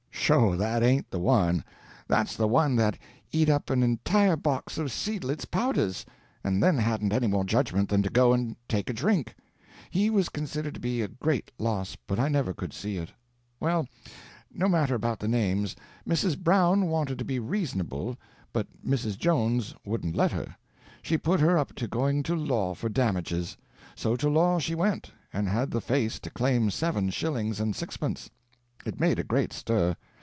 "Sho! that ain't the one. That's the one that eat up an entire box of Seidlitz powders, and then hadn't any more judgment than to go and take a drink. He was considered to be a great loss, but I never could see it. Well, no matter about the names. Mrs. Brown wanted to be reasonable, but Mrs. Jones wouldn't let her. She put her up to going to law for damages. So to law she went, and had the face to claim seven shillings and sixpence. It made a great stir.